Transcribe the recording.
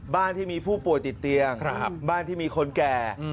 บ้านที่มีผู้ป่วยติดเตียงบ้านที่มีคนแก่